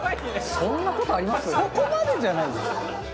そこまでじゃないですけどね。